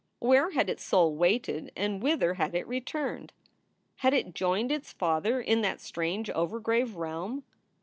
Where had its soul waited and whither had it returned? Had it joined its father in that strange overgrave realm?